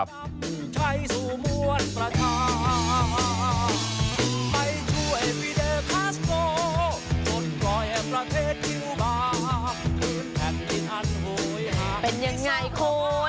เป็นยังไงคุณ